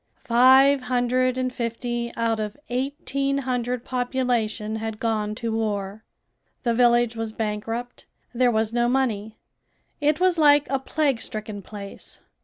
Five hundred and fifty out of eighteen hundred population had gone to war." The village was bankrupt. There was no money. It was like a plague stricken place.